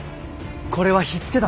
これは火付けだ。